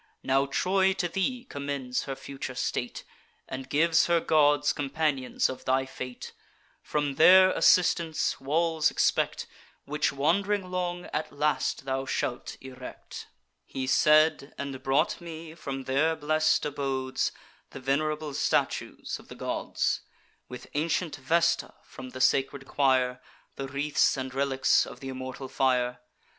Now Troy to thee commends her future state, And gives her gods companions of thy fate: From their assistance walls expect, Which, wand'ring long, at last thou shalt erect.' He said, and brought me, from their blest abodes, The venerable statues of the gods, With ancient Vesta from the sacred choir, The wreaths and relics of th' immortal fire.